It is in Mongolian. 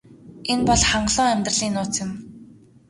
Энэ бол хангалуун амьдралын нууц юм.